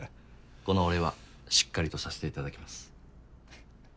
このお礼はしっかりとさせていただきます。